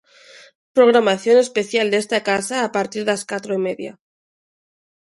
Programación especial desta casa a partir das catro e media.